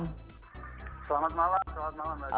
selamat malam selamat malam